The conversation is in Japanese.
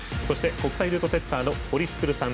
国際ルートセッターの堀創さん